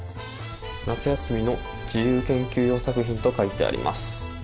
夏休みの自由研究用作品と書いてあります。